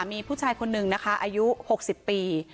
มีผู้ชายคนหนึ่งนะคะอายุหกสิบปี